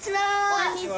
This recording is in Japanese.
こんにちは。